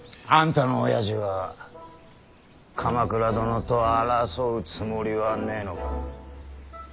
あんたのおやじは鎌倉殿と争うつもりはねえのか。